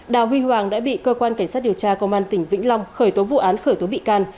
đào huy hoàng đã bị cơ quan cảnh sát điều tra công an tỉnh vĩnh long khởi tố vụ án khởi tố bị can